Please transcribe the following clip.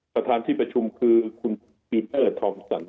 ประธานที่ประชุมคือคุณปีเตอร์ทองสัน